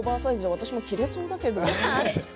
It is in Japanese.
私も着られそうだけど。